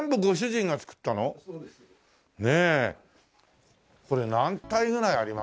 これ何体ぐらいあります？